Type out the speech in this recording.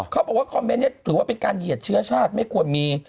เขาบอกว่าคอมเมนต์นี้ถือว่าเป็นการเหยียดเชื้อชาติไม่ควรมี